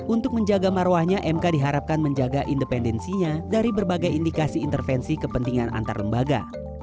untuk menjaga marwahnya mk diharapkan menjaga independensinya dari berbagai indikasi intervensi kepentingan antar lembaga